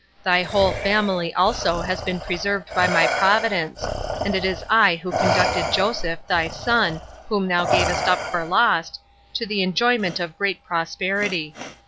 Thy whole family also has been preserved by my providence; and it was I who conducted Joseph, thy son, whom thou gavest up for lost, to the enjoyment of great prosperity.